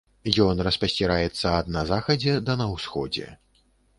Ён распасціраецца ад на захадзе да на ўсходзе.